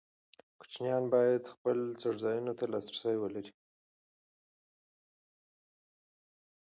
کوچیان باید خپل څړځایونو ته لاسرسی ولري.